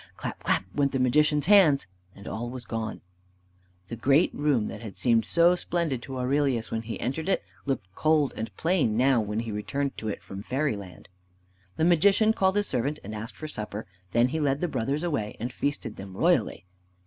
Clap! clap! went the Magician's hands, and all was gone. The great room that had seemed so splendid to Aurelius when he entered it, looked cold and plain now when he returned to it from fairyland. The Magician called his servant and asked for supper. Then he led the brothers away and feasted them royally.